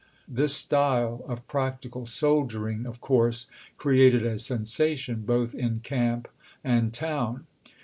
This style of practical soldiering of course cre ated a sensation, both in camp and town.